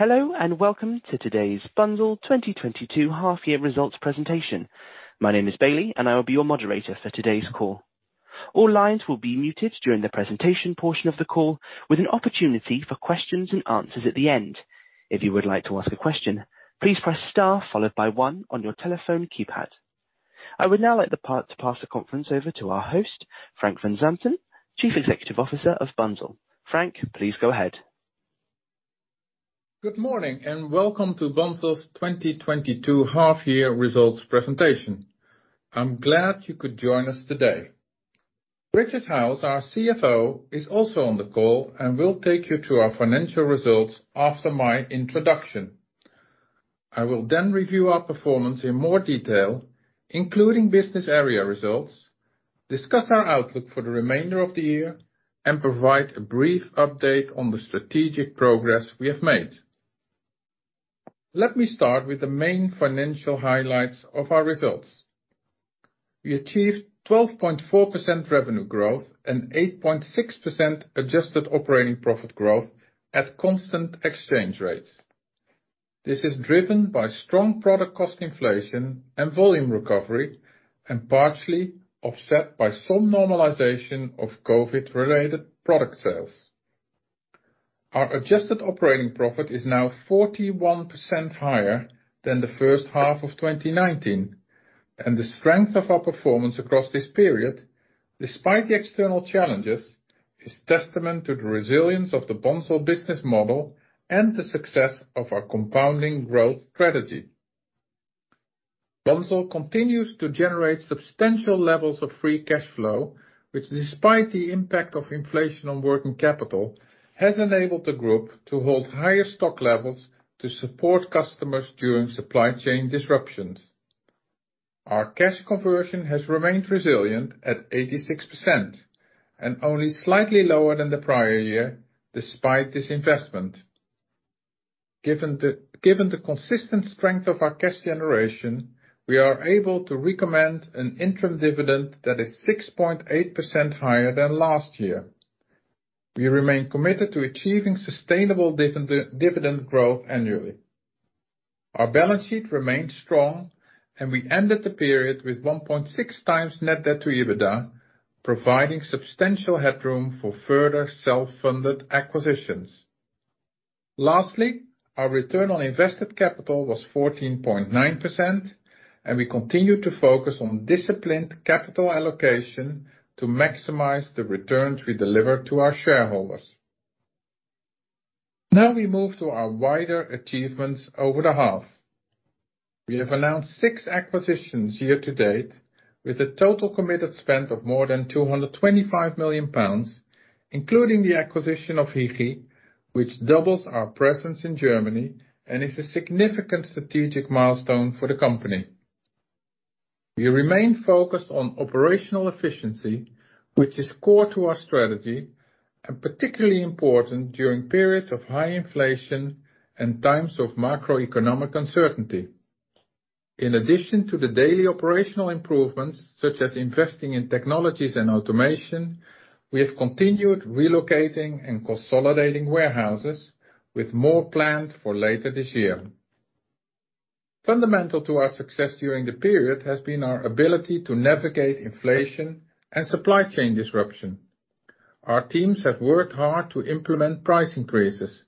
Hello and welcome to today's Bunzl 2022 half year results presentation. My name is Bailey, and I will be your moderator for today's call. All lines will be muted during the presentation portion of the call with an opportunity for questions and answers at the end. If you would like to ask a question, please press star, followed by one on your telephone keypad. I would now like to pass the conference over to our host, Frank van Zanten, Chief Executive Officer of Bunzl. Frank, please go ahead. Good morning and welcome to Bunzl's 2022 half year results presentation. I'm glad you could join us today. Richard Howes, our CFO, is also on the call and will take you to our financial results after my introduction. I will then review our performance in more detail, including business area results, discuss our outlook for the remainder of the year, and provide a brief update on the strategic progress we have made. Let me start with the main financial highlights of our results. We achieved 12.4% revenue growth and 8.6% adjusted operating profit growth at constant exchange rates. This is driven by strong product cost inflation and volume recovery, and partially offset by some normalization of COVID-related product sales. Our adjusted operating profit is now 41% higher than the first half of 2019, and the strength of our performance across this period, despite the external challenges, is testament to the resilience of the Bunzl business model and the success of our compounding growth strategy. Bunzl continues to generate substantial levels of free cash flow, which despite the impact of inflation on working capital, has enabled the group to hold higher stock levels to support customers during supply chain disruptions. Our cash conversion has remained resilient at 86% and only slightly lower than the prior year despite this investment. Given the consistent strength of our cash generation, we are able to recommend an interim dividend that is 6.8% higher than last year. We remain committed to achieving sustainable dividend growth annually. Our balance sheet remains strong and we ended the period with 1.6x net debt to EBITDA, providing substantial headroom for further self-funded acquisitions. Lastly, our return on invested capital was 14.9% and we continue to focus on disciplined capital allocation to maximize the returns we deliver to our shareholders. Now we move to our wider achievements over the half. We have announced six acquisitions year to date with a total committed spend of more than 225 million pounds, including the acquisition of Hygi, which doubles our presence in Germany and is a significant strategic milestone for the company. We remain focused on operational efficiency, which is core to our strategy and particularly important during periods of high inflation and times of macroeconomic uncertainty. In addition to the daily operational improvements, such as investing in technologies and automation, we have continued relocating and consolidating warehouses with more planned for later this year. Fundamental to our success during the period has been our ability to navigate inflation and supply chain disruption. Our teams have worked hard to implement price increases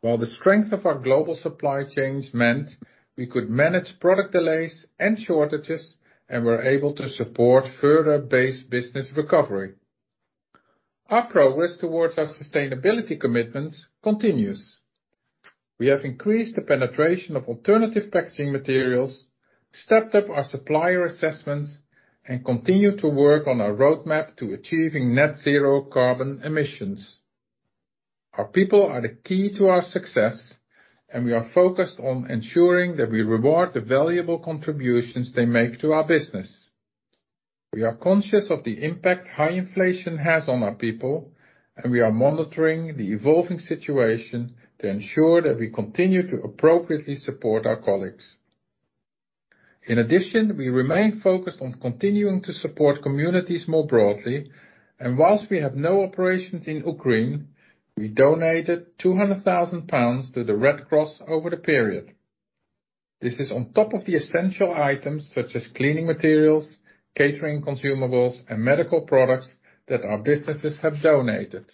while the strength of our global supply chains meant we could manage product delays and shortages and were able to support further base business recovery. Our progress towards our sustainability commitments continues. We have increased the penetration of alternative packaging materials, stepped up our supplier assessments, and continued to work on our roadmap to achieving net zero carbon emissions. Our people are the key to our success, and we are focused on ensuring that we reward the valuable contributions they make to our business. We are conscious of the impact high inflation has on our people, and we are monitoring the evolving situation to ensure that we continue to appropriately support our colleagues. In addition, we remain focused on continuing to support communities more broadly. Whilst we have no operations in Ukraine, we donated 200 thousand pounds to the Red Cross over the period. This is on top of the essential items such as cleaning materials, catering consumables, and medical products that our businesses have donated.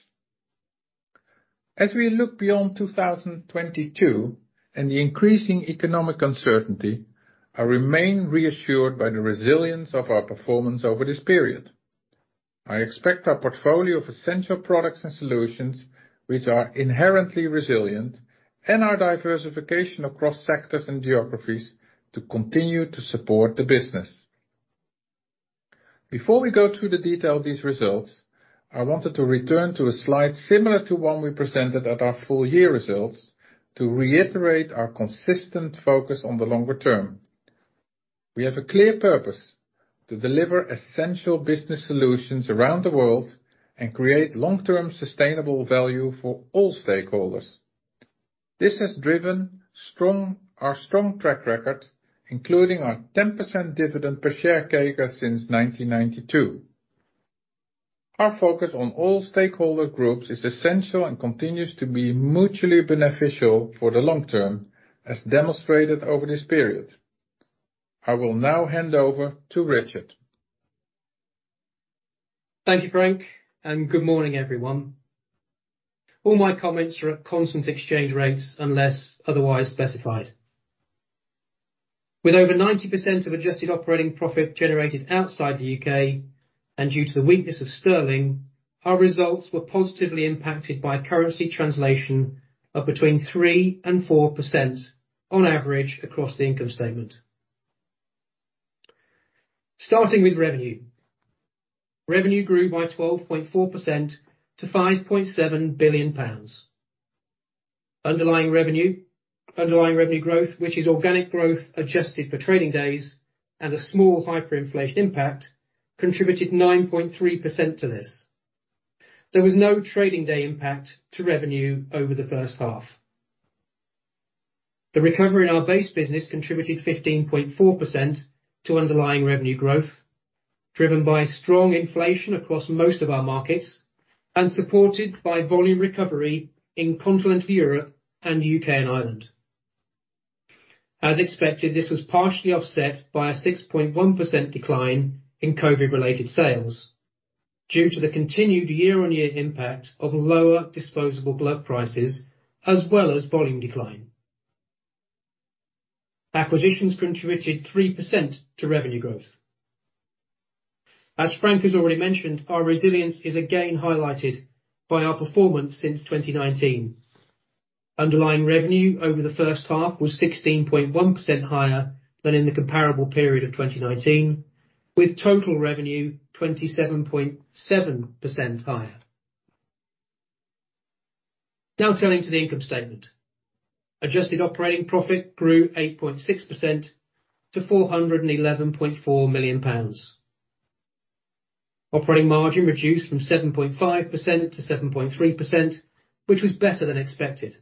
As we look beyond 2022 and the increasing economic uncertainty, I remain reassured by the resilience of our performance over this period. I expect our portfolio of essential products and solutions, which are inherently resilient, and our diversification across sectors and geographies to continue to support the business. Before we go through the detail of these results, I wanted to return to a slide similar to one we presented at our full year results to reiterate our consistent focus on the longer term. We have a clear purpose to deliver essential business solutions around the world and create long-term sustainable value for all stakeholders. This has driven our strong track record, including our 10% dividend per share CAGR since 1992. Our focus on all stakeholder groups is essential and continues to be mutually beneficial for the long term, as demonstrated over this period. I will now hand over to Richard. Thank you, Frank, and good morning everyone. All my comments are at constant exchange rates, unless otherwise specified. With over 90% of adjusted operating profit generated outside the U.K., and due to the weakness of sterling, our results were positively impacted by currency translation of between 3% and 4% on average across the income statement. Starting with revenue. Revenue grew by 12.4% to 5.7 billion pounds. Underlying revenue growth, which is organic growth adjusted for trading days and a small hyperinflation impact, contributed 9.3% to this. There was no trading day impact to revenue over the first half. The recovery in our base business contributed 15.4% to underlying revenue growth, driven by strong inflation across most of our markets and supported by volume recovery in continental Europe and U.K. and Ireland. As expected, this was partially offset by a 6.1% decline in COVID-related sales due to the continued year-on-year impact of lower disposable glove prices as well as volume decline. Acquisitions contributed 3% to revenue growth. As Frank has already mentioned, our resilience is again highlighted by our performance since 2019. Underlying revenue over the first half was 16.1% higher than in the comparable period of 2019, with total revenue 27.7% higher. Now turning to the income statement. Adjusted operating profit grew 8.6% to 411.4 million pounds. Operating margin reduced from 7.5%-7.3%, which was better than expected.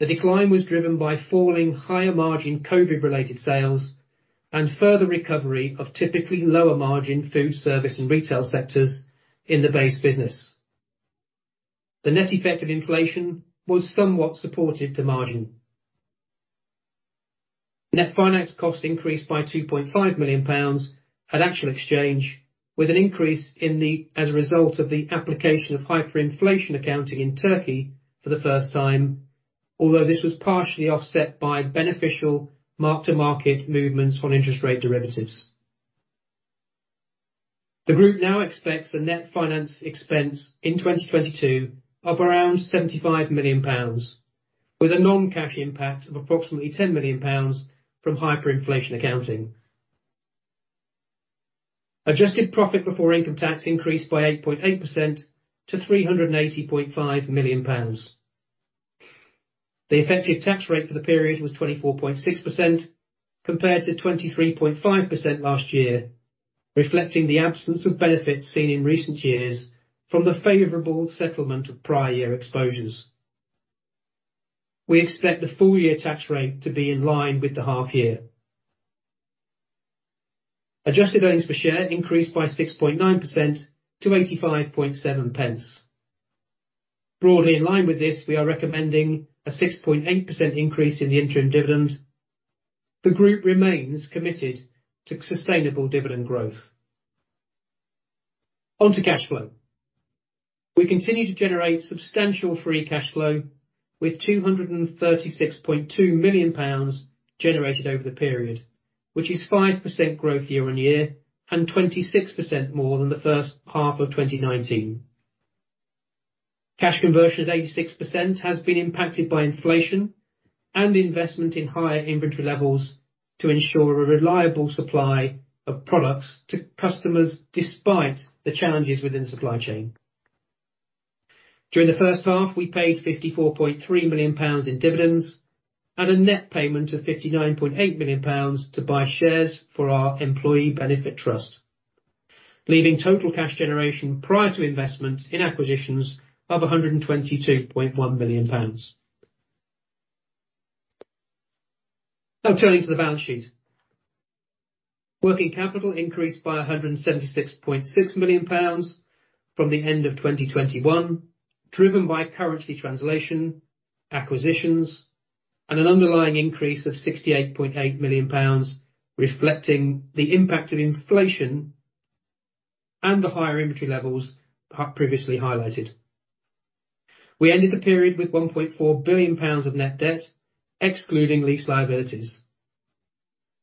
The decline was driven by falling higher margin COVID-related sales and further recovery of typically lower margin food service and retail sectors in the base business. The net effect of inflation was somewhat supportive to margin. Net finance cost increased by 2.5 million pounds at actual exchange, with an increase as a result of the application of hyperinflation accounting in Turkey for the first time, although this was partially offset by beneficial mark-to-market movements on interest rate derivatives. The group now expects a net finance expense in 2022 of around 75 million pounds, with a non-cash impact of approximately 10 million pounds from hyperinflation accounting. Adjusted profit before income tax increased by 8.8% to 380.5 million pounds. The effective tax rate for the period was 24.6%, compared to 23.5% last year, reflecting the absence of benefits seen in recent years from the favorable settlement of prior year exposures. We expect the full year tax rate to be in line with the half year. Adjusted earnings per share increased by 6.9% to 0.857. Broadly in line with this, we are recommending a 6.8% increase in the interim dividend. The group remains committed to sustainable dividend growth. On to cash flow. We continue to generate substantial free cash flow with 236.2 million pounds generated over the period, which is 5% growth year-on-year and 26% more than the first half of 2019. Cash conversion of 86% has been impacted by inflation and investment in higher inventory levels to ensure a reliable supply of products to customers despite the challenges within the supply chain. During the first half, we paid 54.3 million pounds in dividends at a net payment of 59.8 million pounds to buy shares for our employee benefit trust, leaving total cash generation prior to investment in acquisitions of 122.1 million pounds. Now turning to the balance sheet. Working capital increased by 176.6 million pounds from the end of 2021, driven by currency translation, acquisitions and an underlying increase of 68.8 million pounds, reflecting the impact of inflation and the higher inventory levels previously highlighted. We ended the period with 1.4 billion pounds of net debt excluding lease liabilities.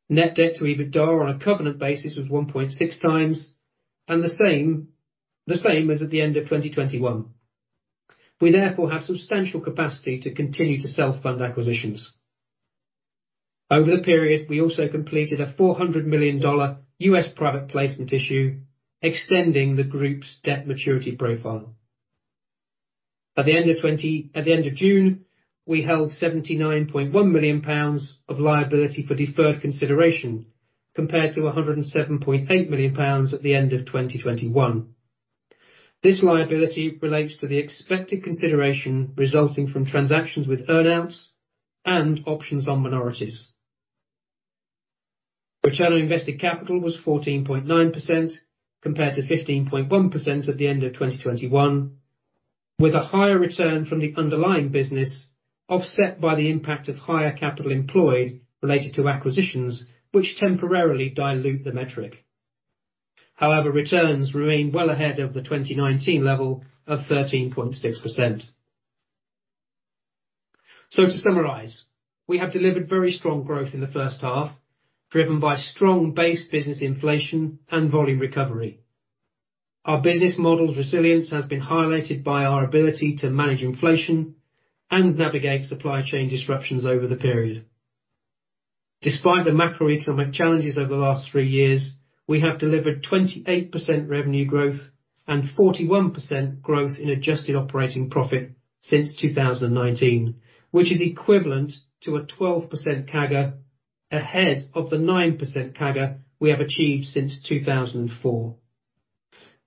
Net debt to EBITDA on a covenant basis was 1.6x and the same as at the end of 2021. We therefore have substantial capacity to continue to self-fund acquisitions. Over the period, we also completed a $400 million U.S. private placement issue, extending the group's debt maturity profile. At the end of June, we held 79.1 million pounds of liability for deferred consideration, compared to 107.8 million pounds at the end of 2021. This liability relates to the expected consideration resulting from transactions with earn-outs and options on minorities. Return on invested capital was 14.9% compared to 15.1% at the end of 2021, with a higher return from the underlying business offset by the impact of higher capital employed related to acquisitions, which temporarily dilute the metric. However, returns remain well ahead of the 2019 level of 13.6%. To summarize, we have delivered very strong growth in the first half, driven by strong base business inflation and volume recovery. Our business model's resilience has been highlighted by our ability to manage inflation and navigate supply chain disruptions over the period. Despite the macroeconomic challenges over the last three years, we have delivered 28% revenue growth and 41% growth in adjusted operating profit since 2019, which is equivalent to a 12% CAGR ahead of the 9% CAGR we have achieved since 2004.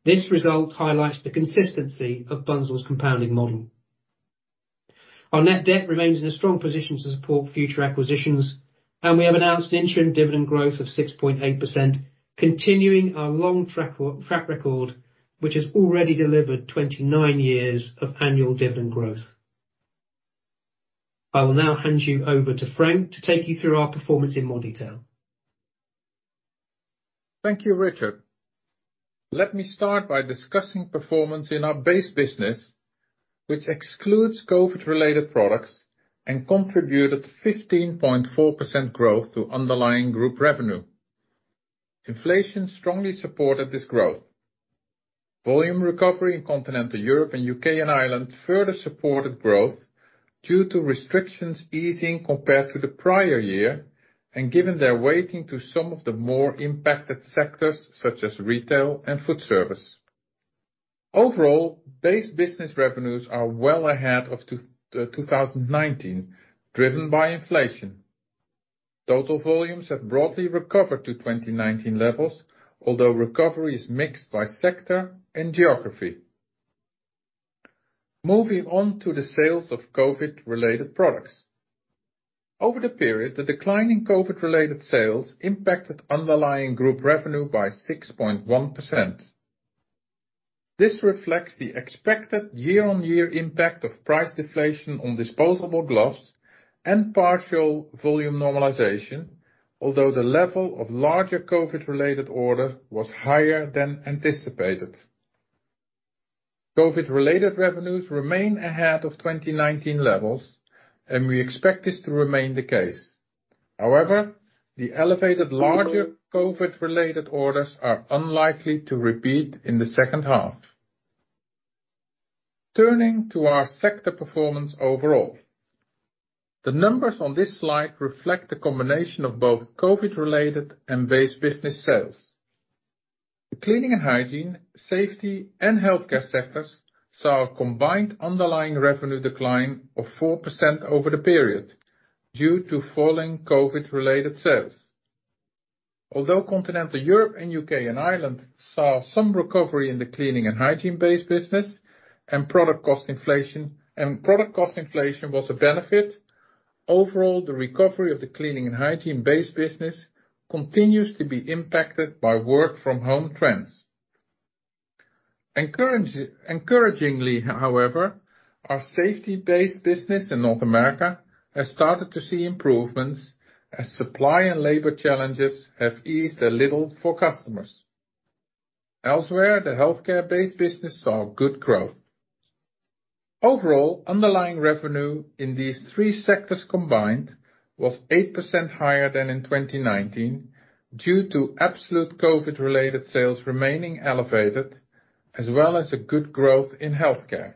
This result highlights the consistency of Bunzl's compounding model. Our net debt remains in a strong position to support future acquisitions, and we have announced interim dividend growth of 6.8%, continuing our long track record, which has already delivered 29 years of annual dividend growth. I will now hand you over to Frank to take you through our performance in more detail. Thank you, Richard. Let me start by discussing performance in our base business, which excludes COVID-related products and contributed 15.4% growth to underlying group revenue. Inflation strongly supported this growth. Volume recovery in Continental Europe and U.K. and Ireland further supported growth due to restrictions easing compared to the prior year and given their weighting to some of the more impacted sectors such as retail and food service. Overall, base business revenues are well ahead of 2019, driven by inflation. Total volumes have broadly recovered to 2019 levels, although recovery is mixed by sector and geography. Moving on to the sales of COVID-related products. Over the period, the decline in COVID-related sales impacted underlying group revenue by 6.1%. This reflects the expected year-on-year impact of price deflation on disposable gloves and partial volume normalization, although the level of larger COVID-related orders was higher than anticipated. COVID-related revenues remain ahead of 2019 levels, and we expect this to remain the case. However, the elevated larger COVID-related orders are unlikely to repeat in the second half. Turning to our sector performance overall. The numbers on this slide reflect a combination of both COVID-related and base business sales. The cleaning and hygiene, safety, and healthcare sectors saw a combined underlying revenue decline of 4% over the period due to falling COVID-related sales. Although Continental Europe and U.K. and Ireland saw some recovery in the cleaning and hygiene base business and product cost inflation, and product cost inflation was a benefit, overall the recovery of the cleaning and hygiene base business continues to be impacted by work from home trends. Encouragingly, however, our safety-based business in North America has started to see improvements as supply and labor challenges have eased a little for customers. Elsewhere, the healthcare-based business saw good growth. Overall, underlying revenue in these three sectors combined was 8% higher than in 2019 due to absolute COVID-related sales remaining elevated, as well as a good growth in healthcare.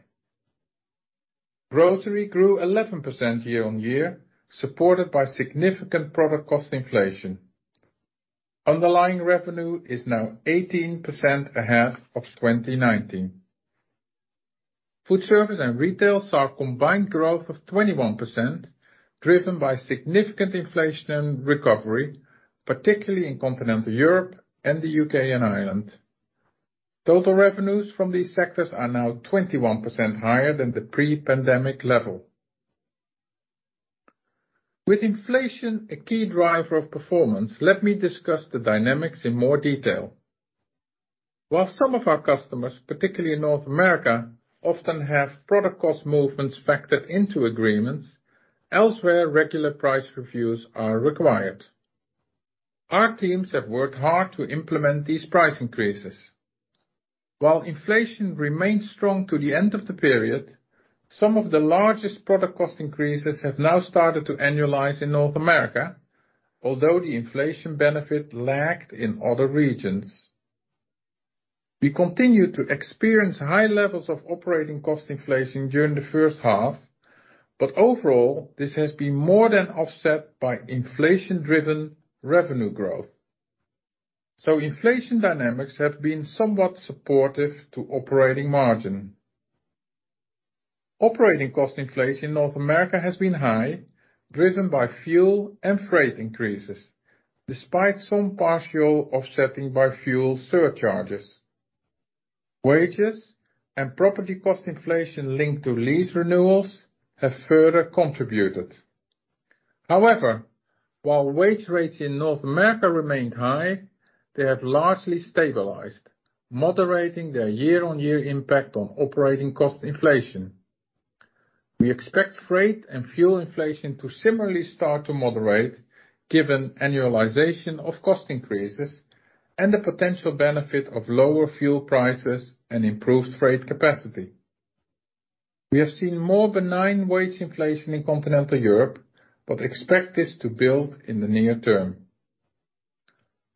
Grocery grew 11% year-on-year, supported by significant product cost inflation. Underlying revenue is now 18% ahead of 2019. Food service and retail saw a combined growth of 21%, driven by significant inflation and recovery, particularly in Continental Europe and the U.K. and Ireland. Total revenues from these sectors are now 21% higher than the pre-pandemic level. With inflation a key driver of performance, let me discuss the dynamics in more detail. While some of our customers, particularly in North America, often have product cost movements factored into agreements, elsewhere, regular price reviews are required. Our teams have worked hard to implement these price increases. While inflation remained strong to the end of the period, some of the largest product cost increases have now started to annualize in North America, although the inflation benefit lagged in other regions. We continued to experience high levels of operating cost inflation during the first half, but overall, this has been more than offset by inflation-driven revenue growth. Inflation dynamics have been somewhat supportive to operating margin. Operating cost inflation in North America has been high, driven by fuel and freight increases, despite some partial offsetting by fuel surcharges. Wages and property cost inflation linked to lease renewals have further contributed. However, while wage rates in North America remained high, they have largely stabilized, moderating their year-on-year impact on operating cost inflation. We expect freight and fuel inflation to similarly start to moderate given annualization of cost increases and the potential benefit of lower fuel prices and improved freight capacity. We have seen more benign wage inflation in Continental Europe, but expect this to build in the near term.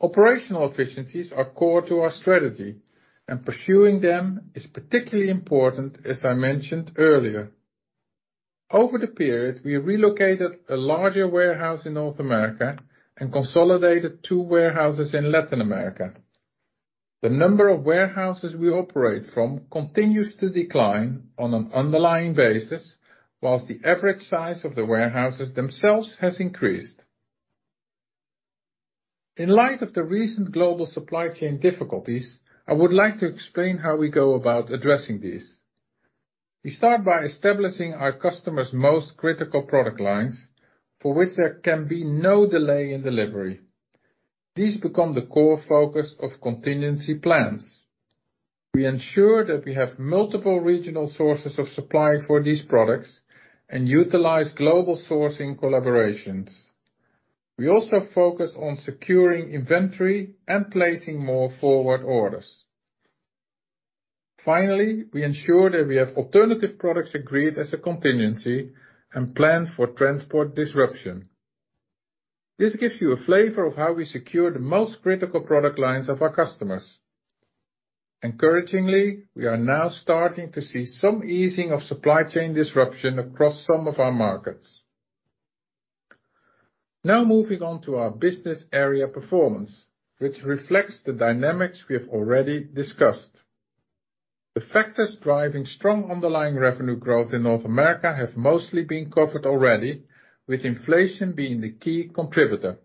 Operational efficiencies are core to our strategy, and pursuing them is particularly important, as I mentioned earlier. Over the period, we relocated a larger warehouse in North America and consolidated two warehouses in Latin America. The number of warehouses we operate from continues to decline on an underlying basis, while the average size of the warehouses themselves has increased. In light of the recent global supply chain difficulties, I would like to explain how we go about addressing these. We start by establishing our customers' most critical product lines for which there can be no delay in delivery. These become the core focus of contingency plans. We ensure that we have multiple regional sources of supply for these products and utilize global sourcing collaborations. We also focus on securing inventory and placing more forward orders. Finally, we ensure that we have alternative products agreed as a contingency and plan for transport disruption. This gives you a flavor of how we secure the most critical product lines of our customers. Encouragingly, we are now starting to see some easing of supply chain disruption across some of our markets. Now moving on to our business area performance, which reflects the dynamics we have already discussed. The factors driving strong underlying revenue growth in North America have mostly been covered already, with inflation being the key contributor.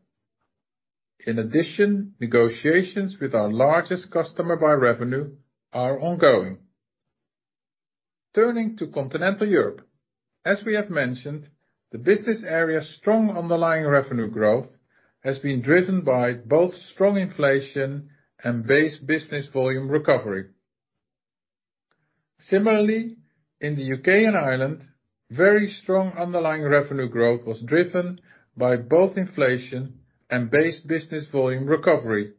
In addition, negotiations with our largest customer by revenue are ongoing. Turning to Continental Europe. As we have mentioned, the business area's strong underlying revenue growth has been driven by both strong inflation and base business volume recovery. Similarly, in the U.K. and Ireland, very strong underlying revenue growth was driven by both inflation and base business volume recovery.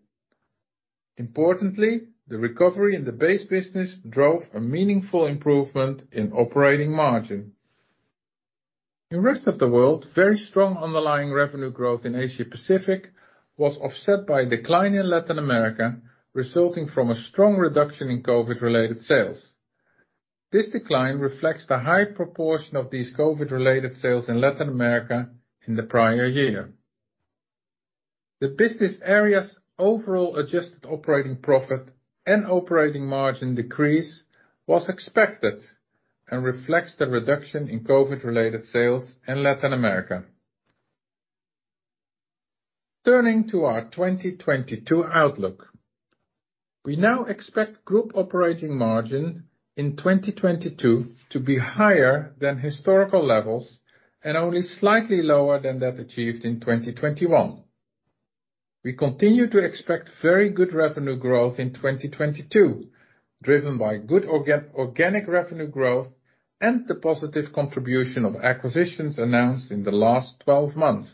Importantly, the recovery in the base business drove a meaningful improvement in operating margin. In rest of the world, very strong underlying revenue growth in Asia-Pacific was offset by a decline in Latin America, resulting from a strong reduction in COVID-related sales. This decline reflects the high proportion of these COVID-related sales in Latin America in the prior year. The business area's overall adjusted operating profit and operating margin decrease was expected and reflects the reduction in COVID-related sales in Latin America. Turning to our 2022 outlook. We now expect group operating margin in 2022 to be higher than historical levels and only slightly lower than that achieved in 2021. We continue to expect very good revenue growth in 2022, driven by good organic revenue growth and the positive contribution of acquisitions announced in the last 12 months.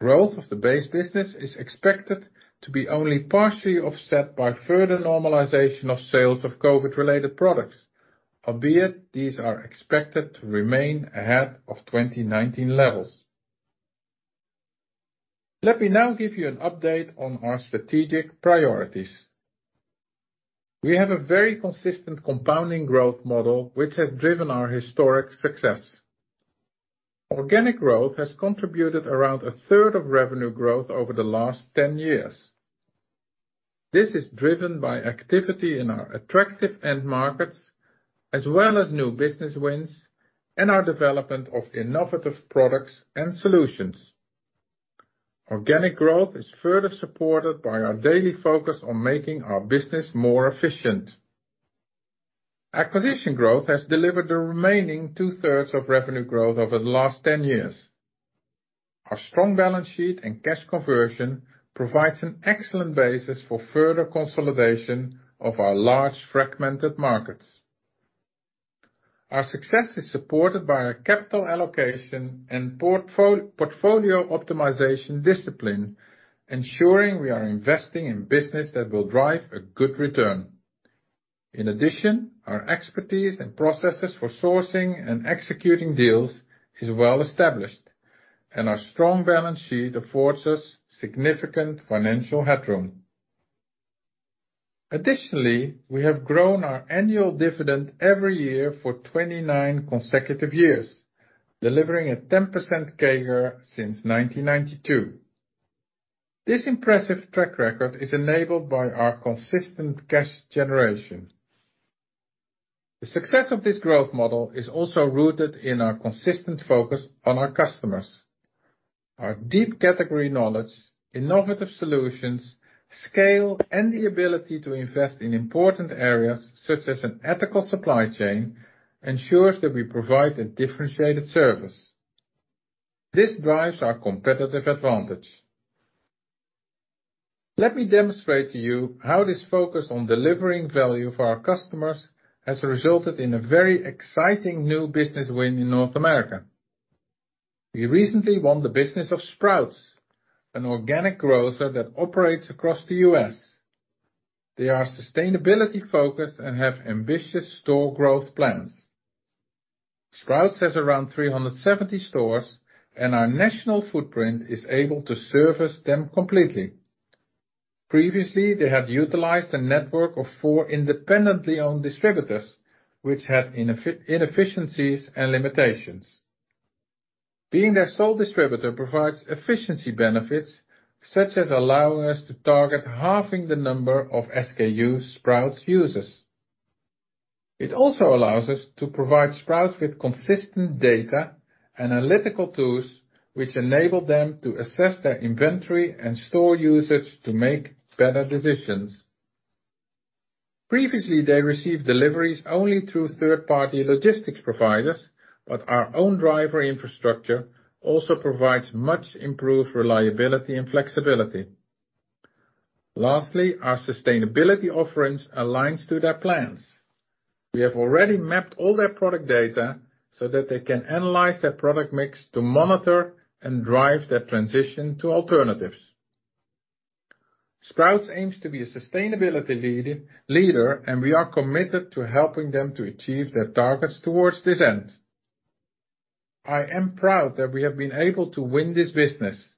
Growth of the base business is expected to be only partially offset by further normalization of sales of COVID-related products, albeit these are expected to remain ahead of 2019 levels. Let me now give you an update on our strategic priorities. We have a very consistent compounding growth model which has driven our historic success. Organic growth has contributed around a third of revenue growth over the last 10 years. This is driven by activity in our attractive end markets, as well as new business wins and our development of innovative products and solutions. Organic growth is further supported by our daily focus on making our business more efficient. Acquisition growth has delivered the remaining 2/3 of revenue growth over the last 10 years. Our strong balance sheet and cash conversion provides an excellent basis for further consolidation of our large fragmented markets. Our success is supported by our capital allocation and portfolio optimization discipline, ensuring we are investing in business that will drive a good return. In addition, our expertise and processes for sourcing and executing deals is well established, and our strong balance sheet affords us significant financial headroom. Additionally, we have grown our annual dividend every year for 29 consecutive years, delivering a 10% CAGR since 1992. This impressive track record is enabled by our consistent cash generation. The success of this growth model is also rooted in our consistent focus on our customers. Our deep category knowledge, innovative solutions, scale, and the ability to invest in important areas such as an ethical supply chain ensures that we provide a differentiated service. This drives our competitive advantage. Let me demonstrate to you how this focus on delivering value for our customers has resulted in a very exciting new business win in North America. We recently won the business of Sprouts, an organic grocer that operates across the U.S. They are sustainability-focused and have ambitious store growth plans. Sprouts has around 370 stores, and our national footprint is able to service them completely. Previously, they have utilized a network of four independently owned distributors, which had inefficiencies and limitations. Being their sole distributor provides efficiency benefits, such as allowing us to target halving the number of SKUs Sprouts uses. It also allows us to provide Sprouts with consistent data, analytical tools, which enable them to assess their inventory and store usage to make better decisions. Previously, they received deliveries only through third-party logistics providers, but our own driver infrastructure also provides much improved reliability and flexibility. Lastly, our sustainability offerings aligns to their plans. We have already mapped all their product data so that they can analyze their product mix to monitor and drive their transition to alternatives. Sprouts aims to be a sustainability leader, and we are committed to helping them to achieve their targets towards this end. I am proud that we have been able to win this business.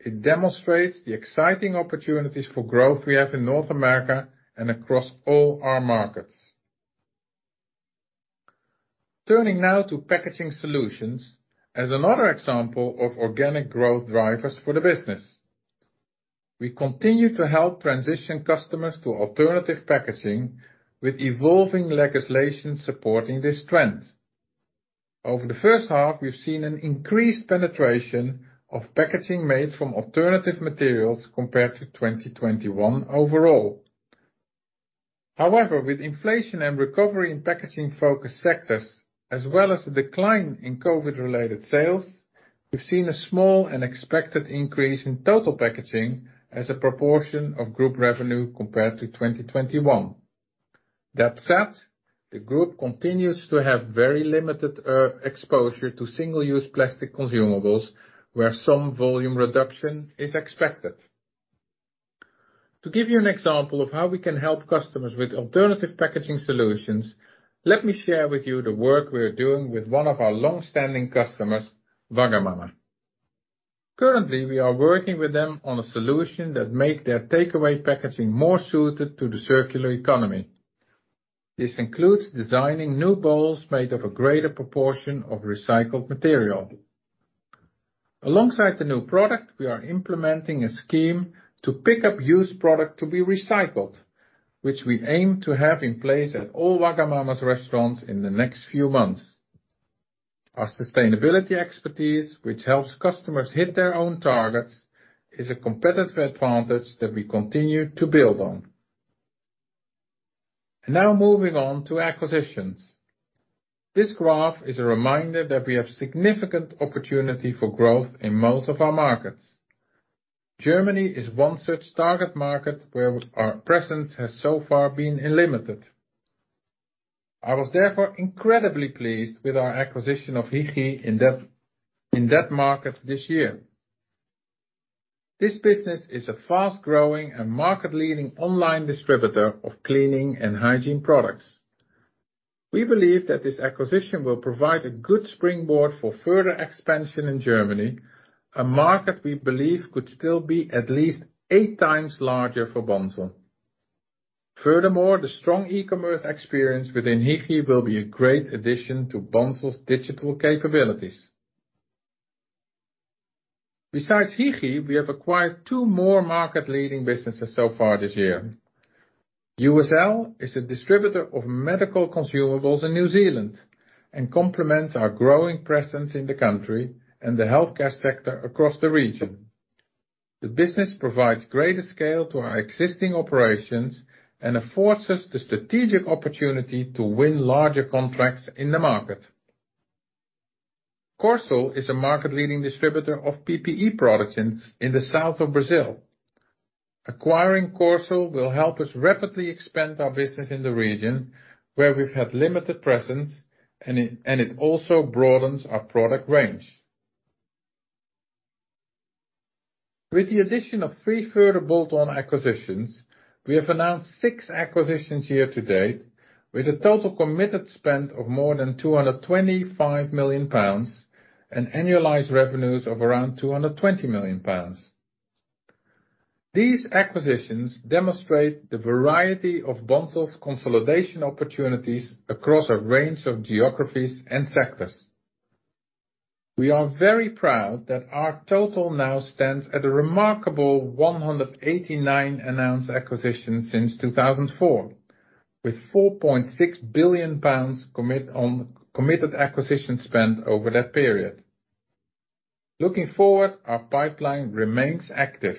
It demonstrates the exciting opportunities for growth we have in North America and across all our markets. Turning now to packaging solutions as another example of organic growth drivers for the business. We continue to help transition customers to alternative packaging with evolving legislation supporting this trend. Over the first half, we've seen an increased penetration of packaging made from alternative materials compared to 2021 overall. However, with inflation and recovery in packaging-focused sectors, as well as a decline in COVID-related sales, we've seen a small and expected increase in total packaging as a proportion of group revenue compared to 2021. That said, the group continues to have very limited exposure to single-use plastic consumables, where some volume reduction is expected. To give you an example of how we can help customers with alternative packaging solutions, let me share with you the work we are doing with one of our long-standing customers, Wagamama. Currently, we are working with them on a solution that make their takeaway packaging more suited to the circular economy. This includes designing new bowls made of a greater proportion of recycled material. Alongside the new product, we are implementing a scheme to pick up used product to be recycled, which we aim to have in place at all Wagamama's restaurants in the next few months. Our sustainability expertise, which helps customers hit their own targets, is a competitive advantage that we continue to build on. Now moving on to acquisitions. This graph is a reminder that we have significant opportunity for growth in most of our markets. Germany is one such target market where our presence has so far been limited. I was therefore incredibly pleased with our acquisition of Hygi in that market this year. This business is a fast-growing and market-leading online distributor of cleaning and hygiene products. We believe that this acquisition will provide a good springboard for further expansion in Germany, a market we believe could still be at least eight times larger for Bunzl. Furthermore, the strong e-commerce experience within Hygi will be a great addition to Bunzl's digital capabilities. Besides Hygi, we have acquired two more market-leading businesses so far this year. USL is a distributor of medical consumables in New Zealand and complements our growing presence in the country and the healthcare sector across the region. The business provides greater scale to our existing operations and affords us the strategic opportunity to win larger contracts in the market. Corsul is a market-leading distributor of PPE products in the south of Brazil. Acquiring Corsul will help us rapidly expand our business in the region where we've had limited presence, and it also broadens our product range. With the addition of three further bolt-on acquisitions, we have announced six acquisitions year to date with a total committed spend of more than 225 million pounds and annualized revenues of around 220 million pounds. These acquisitions demonstrate the variety of Bunzl's consolidation opportunities across a range of geographies and sectors. We are very proud that our total now stands at a remarkable 189 announced acquisitions since 2004, with 4.6 billion pounds committed acquisition spend over that period. Looking forward, our pipeline remains active.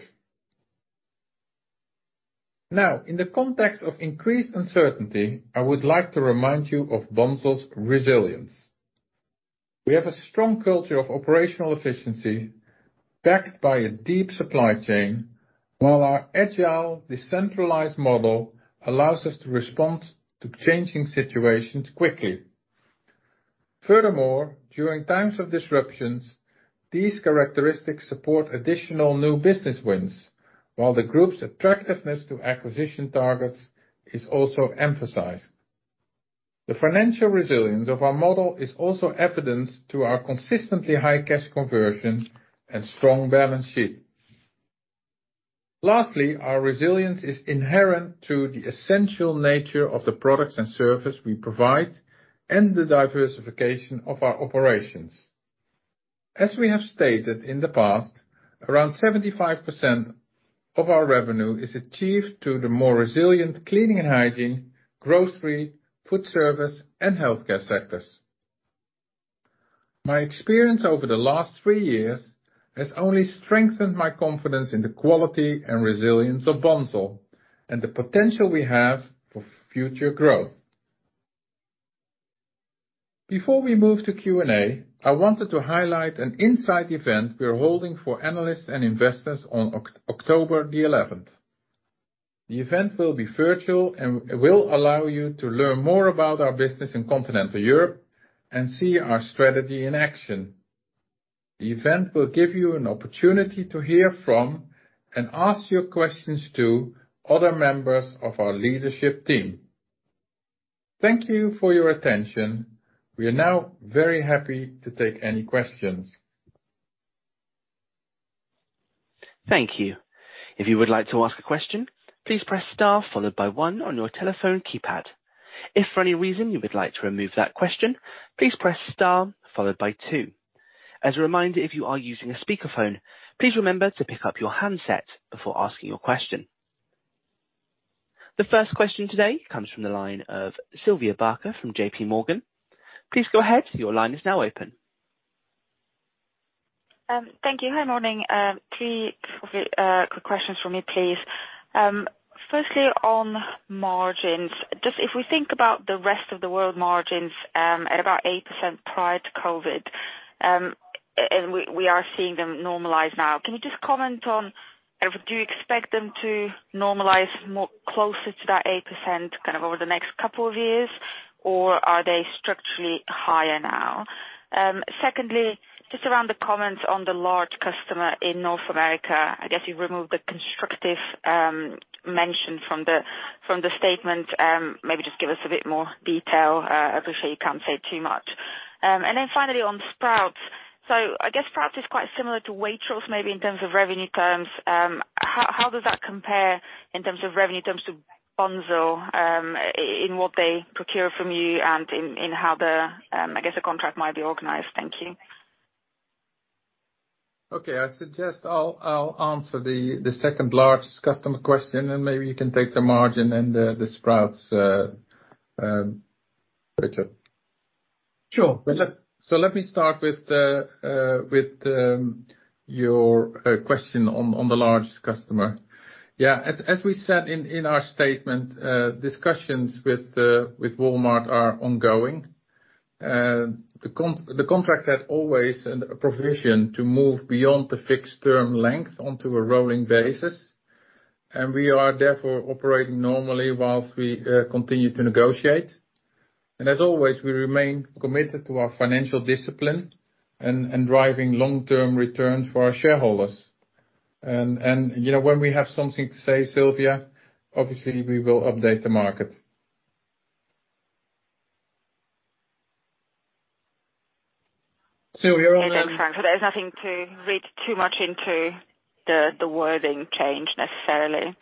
Now, in the context of increased uncertainty, I would like to remind you of Bunzl's resilience. We have a strong culture of operational efficiency backed by a deep supply chain, while our agile, decentralized model allows us to respond to changing situations quickly. Furthermore, during times of disruptions, these characteristics support additional new business wins, while the group's attractiveness to acquisition targets is also emphasized. The financial resilience of our model is also evidenced to our consistently high cash conversion and strong balance sheet. Lastly, our resilience is inherent to the essential nature of the products and service we provide and the diversification of our operations. As we have stated in the past, around 75% of our revenue is achieved through the more resilient cleaning and hygiene, grocery, food service, and healthcare sectors. My experience over the last three years has only strengthened my confidence in the quality and resilience of Bunzl and the potential we have for future growth. Before we move to Q&A, I wanted to highlight an insight event we are holding for analysts and investors on October 11th. The event will be virtual and will allow you to learn more about our business in continental Europe and see our strategy in action. The event will give you an opportunity to hear from and ask your questions to other members of our leadership team. Thank you for your attention. We are now very happy to take any questions. Thank you. If you would like to ask a question, please press star followed by one on your telephone keypad. If for any reason you would like to remove that question, please press star followed by two. As a reminder, if you are using a speakerphone, please remember to pick up your handset before asking your question. The first question today comes from the line of Sylvia Barker from JPMorgan. Please go ahead, your line is now open. Thank you. Hi, morning. Three, sort of, quick questions from me, please. Firstly, on margins, just if we think about the rest of the world margins, at about 8% prior to COVID, and we are seeing them normalize now. Can you just comment on, do you expect them to normalize more closer to that 8% kind of over the next couple of years, or are they structurally higher now? Secondly, just around the comments on the large customer in North America, I guess you've removed the constructive, mention from the statement. Maybe just give us a bit more detail. I appreciate you can't say too much. Finally on Sprouts. I guess Sprouts is quite similar to Waitrose, maybe in terms of revenue terms. How does that compare in terms of revenue, in terms to Bunzl, in what they procure from you and how the contract might be organized? Thank you. Okay. I suggest I'll answer the second-largest customer question, and maybe you can take the margin and the Sprouts, Richard. Sure. Let me start with your question on the largest customer. Yeah. As we said in our statement, discussions with Walmart are ongoing. The contract had always a provision to move beyond the fixed term length onto a rolling basis, and we are therefore operating normally while we continue to negotiate. As always, we remain committed to our financial discipline and driving long-term returns for our shareholders. You know, when we have something to say, Sylvia, obviously we will update the market. Sylvia. Okay. Thanks, Frank. There's nothing to read too much into the wording change necessarily.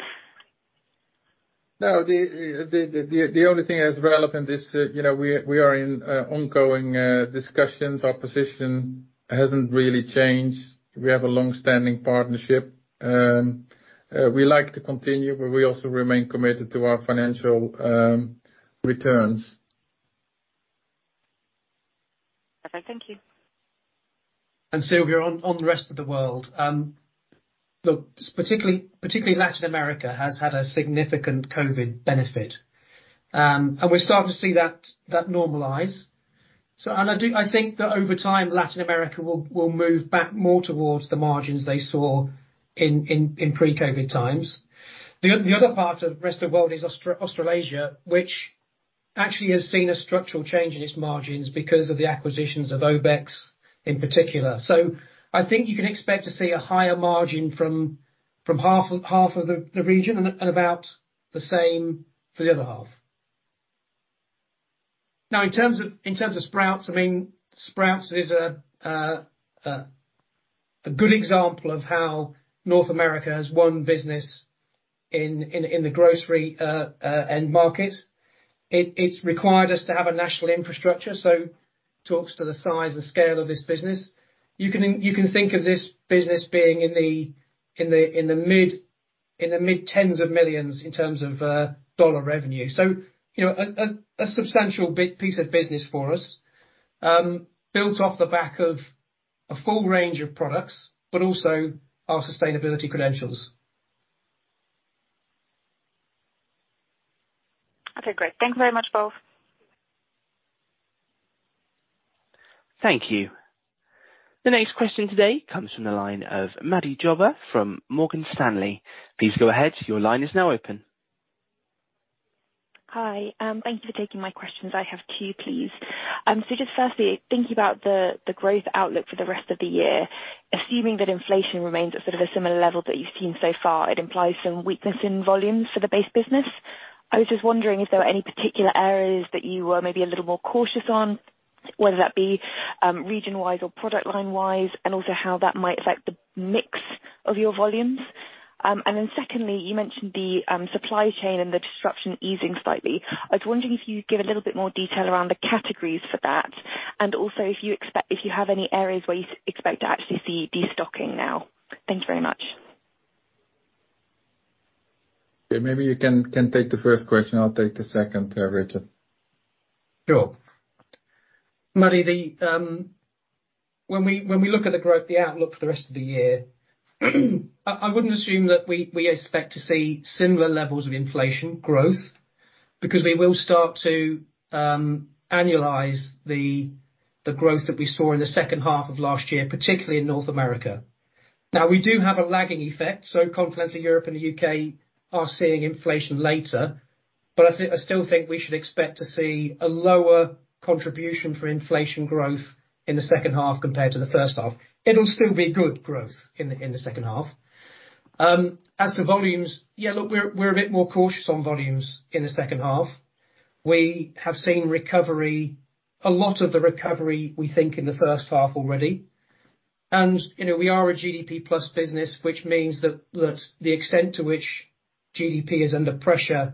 No. The only thing that's relevant is, you know, we are in ongoing discussions. Our position hasn't really changed. We have a long-standing partnership. We like to continue, but we also remain committed to our financial returns. Okay, thank you. Sylvia, on the rest of the world, look, particularly Latin America has had a significant COVID benefit. We're starting to see that normalize. I do think that over time, Latin America will move back more towards the margins they saw in pre-COVID times. The other part of rest of the world is Australasia, which actually has seen a structural change in its margins because of the acquisitions of Obex in particular. I think you can expect to see a higher margin from half of the region and about the same for the other half. Now, in terms of Sprouts, I mean, Sprouts is a good example of how North America has won business in the grocery end market. It's required us to have a national infrastructure, so talks to the size and scale of this business. You can think of this business being in the mid-tens of millions in terms of dollar revenue. You know, a substantial piece of business for us, built off the back of a full range of products, but also our sustainability credentials. Okay, great. Thank you very much, both. Thank you. The next question today comes from the line of Maddy Jobber from Morgan Stanley. Please go ahead. Your line is now open. Hi. Thank you for taking my questions. I have two, please. Just firstly, thinking about the growth outlook for the rest of the year, assuming that inflation remains at sort of a similar level that you've seen so far, it implies some weakness in volumes for the base business. I was just wondering if there were any particular areas that you were maybe a little more cautious on, whether that be, region-wise or product line-wise, and also how that might affect the mix of your volumes. Then secondly, you mentioned the supply chain and the disruption easing slightly. I was wondering if you could give a little bit more detail around the categories for that, and also if you have any areas where you expect to actually see de-stocking now. Thank you very much. Yeah, maybe you can take the first question. I'll take the second, Richard. Sure. Maddy, when we look at the growth, the outlook for the rest of the year, I wouldn't assume that we expect to see similar levels of inflation growth because we will start to annualize the growth that we saw in the second half of last year, particularly in North America. Now, we do have a lagging effect, so Continental Europe and the U.K. are seeing inflation later, but I still think we should expect to see a lower contribution for inflation growth in the second half compared to the first half. It'll still be good growth in the second half. As to volumes, yeah, look, we're a bit more cautious on volumes in the second half. We have seen recovery, a lot of the recovery, we think, in the first half already. You know, we are a GDP plus business, which means that the extent to which GDP is under pressure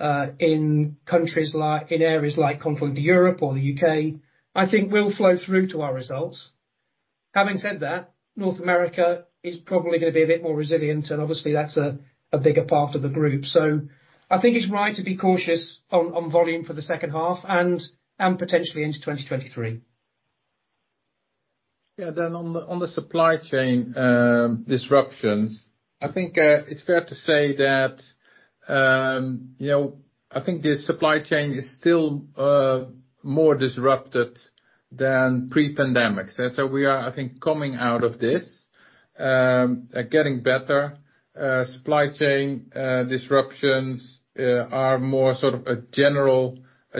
in countries like, in areas like continental Europe or the U.K., I think will flow through to our results. Having said that, North America is probably gonna be a bit more resilient and obviously that's a bigger part of the group. I think it's right to be cautious on volume for the second half and potentially into 2023. On the supply chain disruptions, I think it's fair to say that, you know, I think the supply chain is still more disrupted than pre-pandemic. We are, I think, coming out of this, getting better. Supply chain disruptions are more sort of a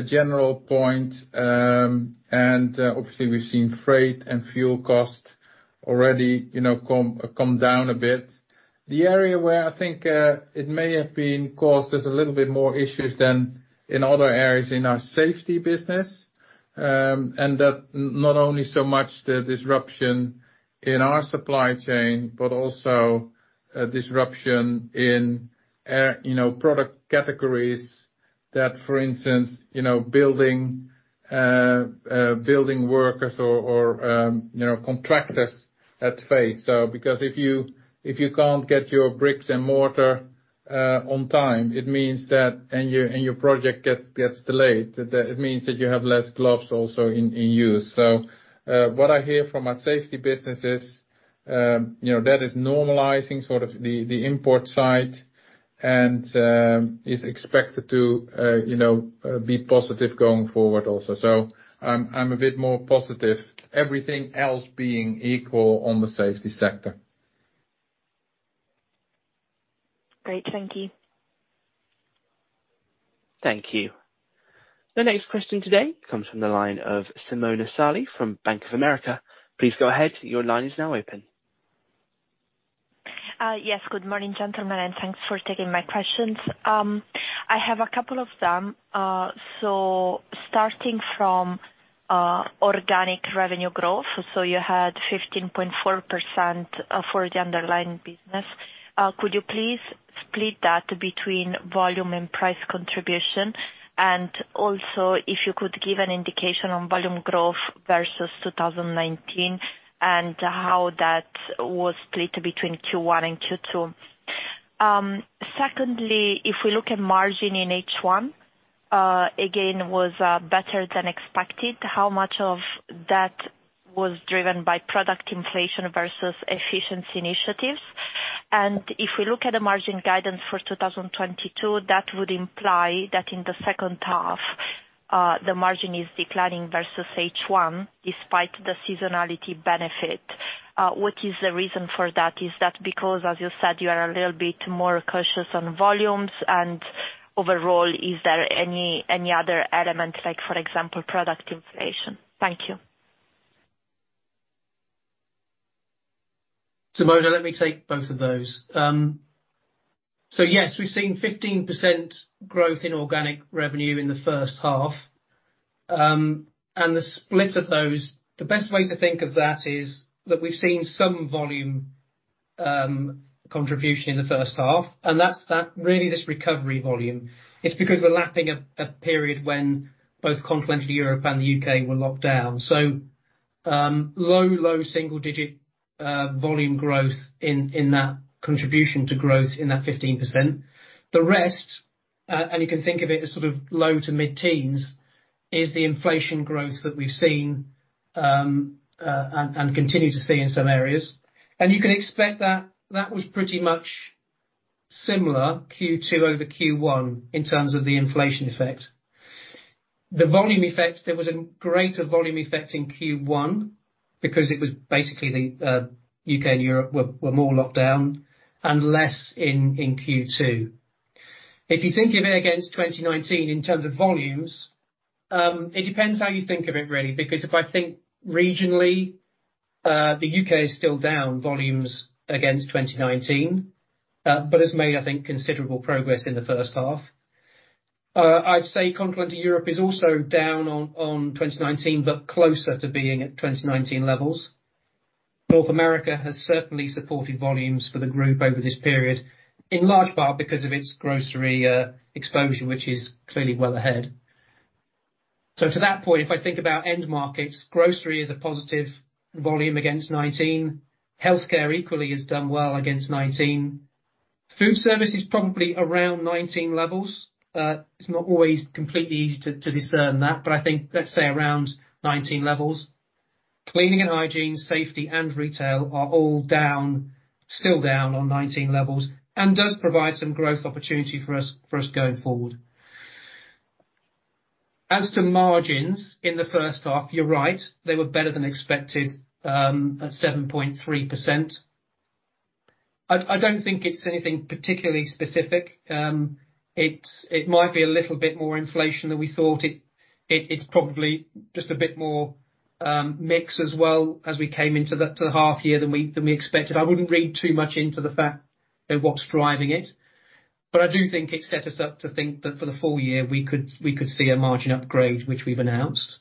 general point. Obviously we've seen freight and fuel costs already, you know, come down a bit. The area where I think it may have been caused us a little bit more issues than in other areas in our safety business, and that not only so much the disruption in our supply chain, but also a disruption in, you know, product categories that for instance, you know, building workers or contractors had to face. Because if you can't get your bricks and mortar on time, it means that and your project gets delayed, it means that you have less gloves also in use. What I hear from our safety business is, you know, that is normalizing sort of the import side and is expected to, you know, be positive going forward also. I'm a bit more positive, everything else being equal on the safety sector. Great. Thank you. Thank you. The next question today comes from the line of Simona Salih from Bank of America. Please go ahead. Your line is now open. Yes. Good morning, gentlemen, and thanks for taking my questions. I have a couple of them. Starting from organic revenue growth, you had 15.4% for the underlying business. Could you please split that between volume and price contribution? And also if you could give an indication on volume growth versus 2019 and how that was split between Q1 and Q2. Secondly, if we look at margin in H1, again was better than expected, how much of that was driven by product inflation versus efficiency initiatives? And if we look at the margin guidance for 2022, that would imply that in the second half, the margin is declining versus H1 despite the seasonality benefit. What is the reason for that? Is that because, as you said, you are a little bit more cautious on volumes and overall, is there any other element, like for example, product inflation? Thank you. Simona, let me take both of those. Yes, we've seen 15% growth in organic revenue in the first half. The split of those, the best way to think of that is that we've seen some volume contribution in the first half, and that's really this recovery volume. It's because we're lapping a period when both Continental Europe and the U.K. were locked down. Low single digit volume growth in that contribution to growth in that 15%. The rest, and you can think of it as sort of low- to mid-teens%, is the inflation growth that we've seen and continue to see in some areas. You can expect that that was pretty much similar, Q2 over Q1, in terms of the inflation effect. The volume effect. There was a greater volume effect in Q1, because it was basically the U.K. and Europe were more locked down and less in Q2. If you think of it against 2019 in terms of volumes, it depends how you think of it, really, because if I think regionally, the U.K. is still down volumes against 2019, but it's made, I think, considerable progress in the first half. I'd say Continental Europe is also down on 2019, but closer to being at 2019 levels. North America has certainly supported volumes for the group over this period, in large part because of its grocery exposure, which is clearly well ahead. To that point, if I think about end markets, grocery is a positive volume against 2019. Healthcare equally has done well against 2019. Food service is probably around 19 levels. It's not always completely easy to discern that, but I think, let's say around 19 levels. Cleaning and hygiene, safety and retail are all down, still down on 19 levels and does provide some growth opportunity for us going forward. As to margins in the first half, you're right, they were better than expected at 7.3%. I don't think it's anything particularly specific. It might be a little bit more inflation than we thought. It's probably just a bit more mix as well as we came into the half year than we expected. I wouldn't read too much into the fact of what's driving it, but I do think it's set us up to think that for the full year, we could see a margin upgrade which we've announced.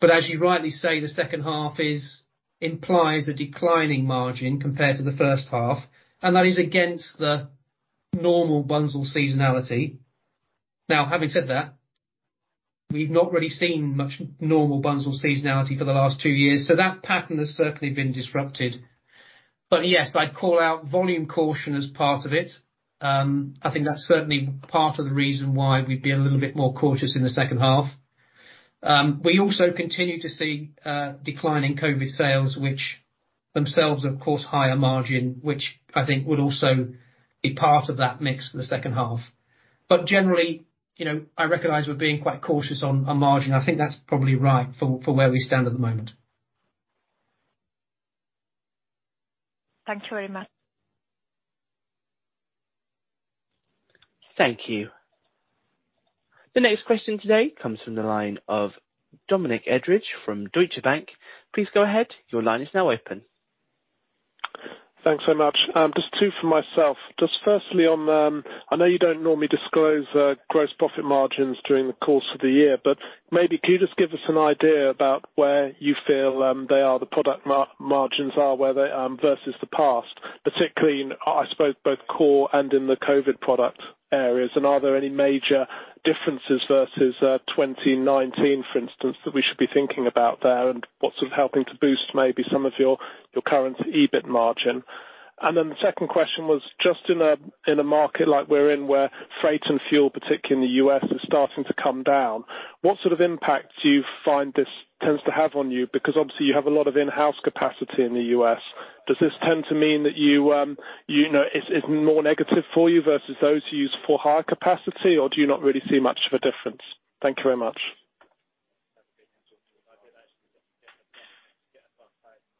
As you rightly say, the second half implies a declining margin compared to the first half, and that is against the normal Bunzl seasonality. Now, having said that, we've not really seen much normal Bunzl seasonality for the last two years, so that pattern has certainly been disrupted. Yes, I'd call out volume caution as part of it. I think that's certainly part of the reason why we'd be a little bit more cautious in the second half. We also continue to see declining COVID sales, which themselves, of course, higher margin, which I think will also be part of that mix for the second half. Generally, you know, I recognize we're being quite cautious on margin. I think that's probably right for where we stand at the moment. Thank you very much. Thank you. The next question today comes from the line of Dominic Edridge from Deutsche Bank. Please go ahead. Your line is now open. Thanks so much. Just two for myself. Just firstly on, I know you don't normally disclose gross profit margins during the course of the year, but maybe can you just give us an idea about where you feel they are, the product margins are, where they versus the past, particularly in, I suppose, both core and in the COVID product areas? Are there any major differences versus 2019, for instance, that we should be thinking about there? What's sort of helping to boost maybe some of your current EBIT margin? The second question was, just in a market like we're in, where freight and fuel, particularly in the U.S., is starting to come down, what sort of impact do you find this tends to have on you? Because obviously you have a lot of in-house capacity in the U.S.. Does this tend to mean that you know, it's more negative for you versus those who use for higher capacity? Or do you not really see much of a difference? Thank you very much.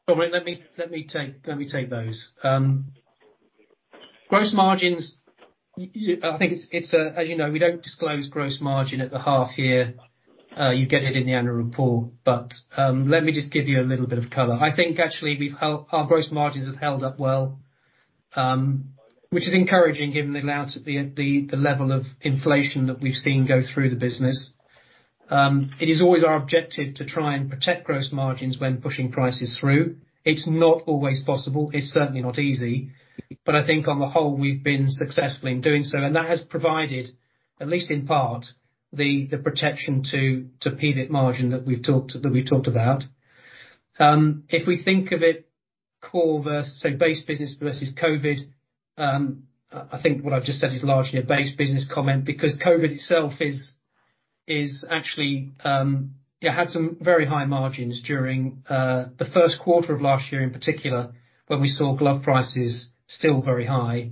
All right. Let me take those. Gross margins. I think it's, as you know, we don't disclose gross margin at the half year. You get it in the annual report. Let me just give you a little bit of color. I think actually our gross margins have held up well, which is encouraging given the level of inflation that we've seen go through the business. It is always our objective to try and protect gross margins when pushing prices through. It's not always possible. It's certainly not easy. I think on the whole, we've been successful in doing so, and that has provided, at least in part, the protection to PBIT margin that we've talked about. If we think of it, core versus, say, base business versus COVID, I think what I've just said is largely a base business comment because COVID itself actually had some very high margins during the first quarter of last year in particular when we saw glove prices still very high.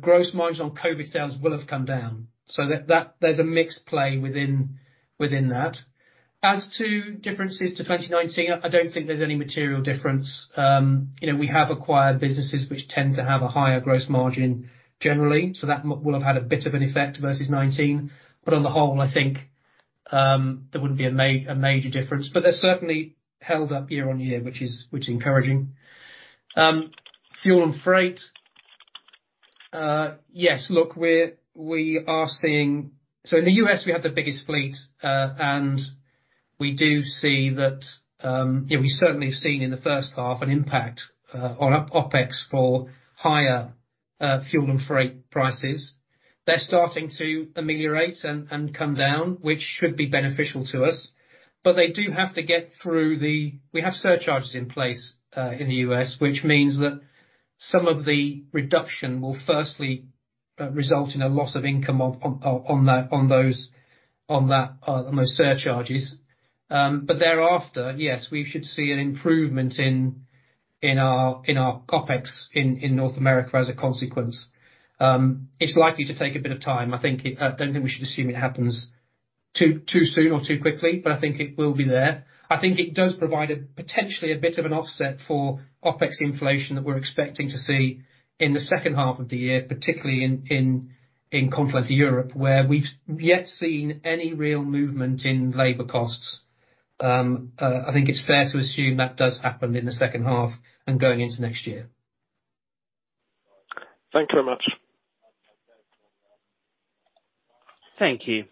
Gross margins on COVID sales will have come down. That there's a mixed play within that. As to differences to 2019, I don't think there's any material difference. You know, we have acquired businesses which tend to have a higher gross margin generally, so that will have had a bit of an effect versus 2019. On the whole, I think there wouldn't be a major difference, but they're certainly held up year-over-year, which is encouraging. Fuel and freight. Yes, look, we are seeing. In the U.S., we have the biggest fleet, and we do see that, we certainly have seen in the first half an impact on Opex for higher fuel and freight prices. They are starting to ameliorate and come down, which should be beneficial to us. They do have to get through. We have surcharges in place in the U.S., which means that some of the reduction will firstly result in a loss of income on those surcharges. Thereafter, yes, we should see an improvement in our Opex in North America as a consequence. It's likely to take a bit of time. I don't think we should assume it happens too soon or too quickly, but I think it will be there. I think it does provide a potentially a bit of an offset for Opex inflation that we're expecting to see in the second half of the year, particularly in Continental Europe, where we've yet seen any real movement in labor costs. I think it's fair to assume that does happen in the second half and going into next year. Thank you very much. Thank you.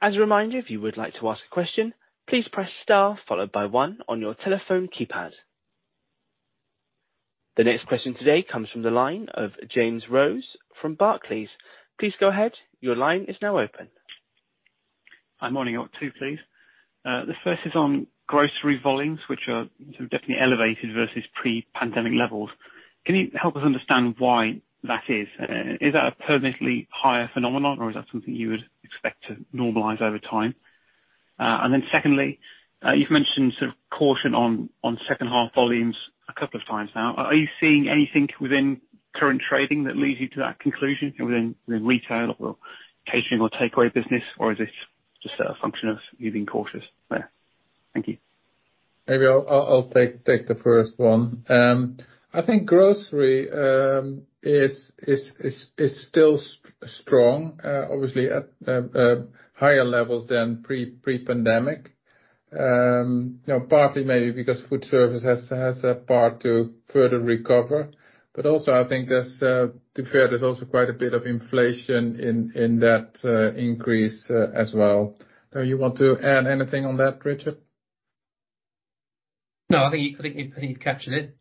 As a reminder, if you would like to ask a question, please press star followed by one on your telephone keypad. The next question today comes from the line of James Rose from Barclays. Please go ahead. Your line is now open. Hi. Morning, all. Two, please. The first is on grocery volumes, which are sort of definitely elevated versus pre-pandemic levels. Can you help us understand why that is? Is that a permanently higher phenomenon, or is that something you would expect to normalize over time? And then secondly, you've mentioned some caution on second half volumes a couple of times now. Are you seeing anything within current trading that leads you to that conclusion within retail or catering or takeaway business or is it just a function of you being cautious there? Thank you. Maybe I'll take the first one. I think grocery is still strong, obviously at higher levels than pre-pandemic. You know, partly maybe because food service has yet to further recover, but also I think, to be fair, there's also quite a bit of inflation in that increase as well. Do you want to add anything on that, Richard? No, I think you've captured it.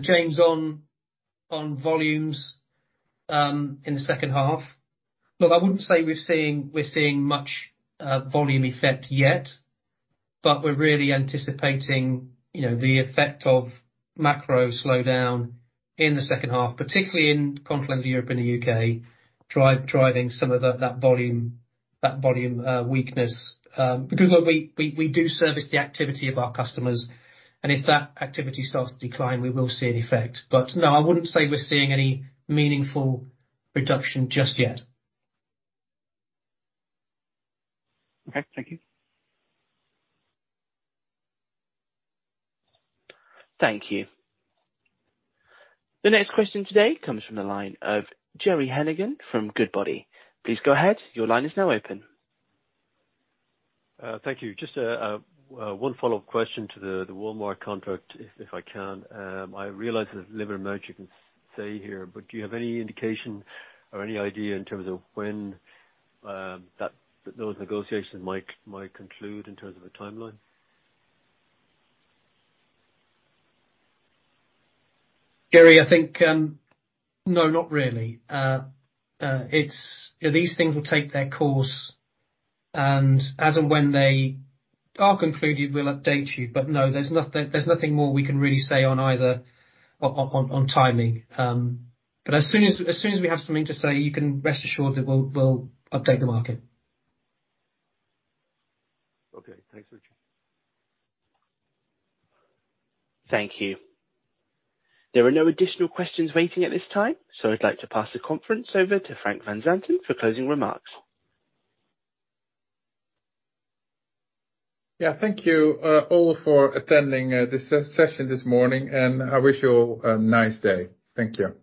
James on volumes in the second half. Look, I wouldn't say we're seeing much volume effect yet, but we're really anticipating, you know, the effect of macro slowdown in the second half, particularly in Continental Europe and the U.K., driving some of that volume weakness. Because look, we do service the activity of our customers, and if that activity starts to decline, we will see an effect. No, I wouldn't say we're seeing any meaningful reduction just yet. Okay. Thank you. Thank you. The next question today comes from the line of Gerry Hennigan from Goodbody. Please go ahead. Your line is now open. Thank you. Just one follow-up question to the Walmart contract, if I can. I realize that little or much you can say here, but do you have any indication or any idea in terms of when those negotiations might conclude in terms of a timeline? Gerry, I think, no, not really. These things will take their course, and as and when they are concluded, we'll update you. No, there's nothing more we can really say on either on timing. As soon as we have something to say, you can rest assured that we'll update the market. Okay. Thanks, Richard. Thank you. There are no additional questions waiting at this time, so I'd like to pass the conference over to Frank van Zanten for closing remarks. Yeah. Thank you, all for attending, this session this morning, and I wish you all a nice day. Thank you.